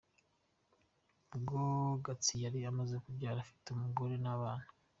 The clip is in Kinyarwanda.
" Ubwo Gatsi yari amaze kubyara afite umugore n’abana.